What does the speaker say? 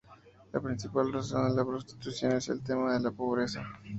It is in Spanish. La principal razón de la prostitución es el tema de la pobreza.